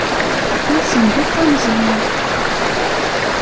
D asenduq ameẓyan.